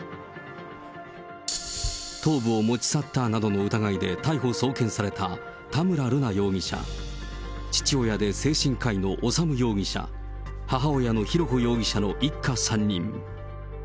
頭部を持ち去ったなどの疑いで逮捕・送検された田村瑠奈容疑者、父親で精神科医の修容疑者、母親の浩子容疑者の一家３人。